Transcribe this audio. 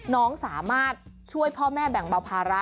น้องสามารถช่วยพ่อแม่แบ่งเบาภาระ